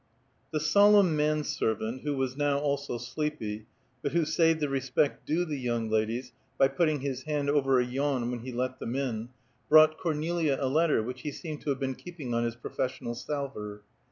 The solemn man servant, who was now also sleepy, but who saved the respect due the young ladies by putting his hand over a yawn when he let them in, brought Cornelia a letter which he seemed to have been keeping on his professional salver.